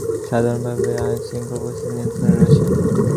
সাধারণভাবে আইনশৃঙ্খলা পরিস্থিতি নিয়ন্ত্রণে রয়েছে।